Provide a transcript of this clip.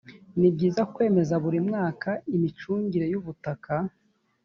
nibyiza kwemeza buri mwaka imicungire y’ubutaka.